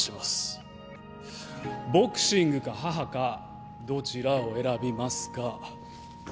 「ボクシングか母かどちらを選びますか？」